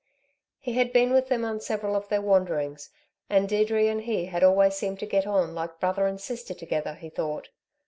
He had been with them on several of their wanderings, and Deirdre and he had always seemed to get on like brother and sister together, he thought.